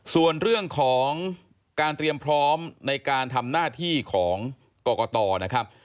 ส่วนเรื่องของการเตรียมพร้อมในการทำหน้าที่ของกรกตนะครับ